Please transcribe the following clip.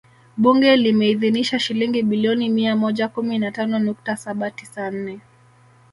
Bunge limeidhinisha Shilingi bilioni mia moja kumi na tano nukta saba tisa nne